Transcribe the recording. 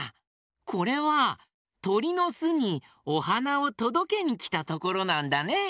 これはとりのすにおはなをとどけにきたところなんだね。